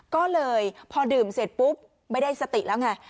ก็เลยพอดื่มเสร็จปุ๊บไม่ได้สติแล้วไง